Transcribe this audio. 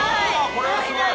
これはすごい。